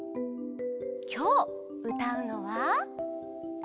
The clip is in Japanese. きょううたうのは「ゆき」。